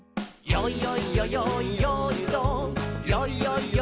「よいよいよよいよーいドン」